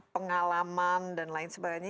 pengalaman dan lain sebagainya